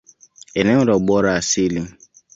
Eneo la ubora asili.